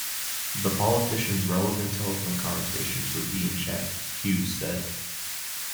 The politician's relevant telephone conversations were being checked, Hughes said.